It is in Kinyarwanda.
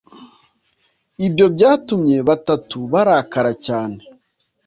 ibyo byatumye batatu barakara cyane